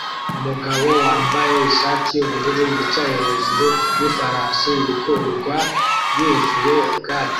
Umugabo wambaye ishati yubururu yicaye hejuru yifarashi ikururwa yuzuye ubwatsi